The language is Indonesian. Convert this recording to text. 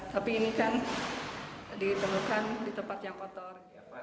tapi ini kan ditemukan di tempat yang kotor